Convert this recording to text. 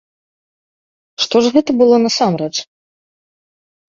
Што ж гэта было насамрэч?